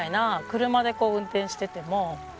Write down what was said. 車でこう運転してても。